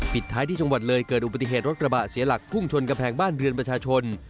ท้ายที่จังหวัดเลยเกิดอุบัติเหตุรถกระบะเสียหลักพุ่งชนกำแพงบ้านเรือนประชาชน